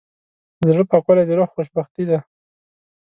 د زړه پاکوالی د روح خوشبختي ده.